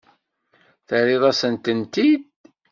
Terriḍ-asen-tent-id.